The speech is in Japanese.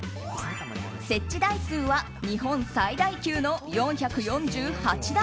設置台数は日本最大級の４４８台。